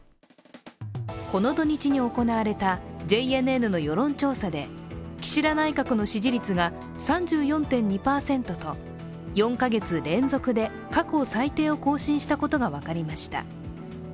この土日で行われたＪＮＮの世論調査で岸田内閣の支持率が３４．２％と４か月連続で過去最低を更新したことが分かりました。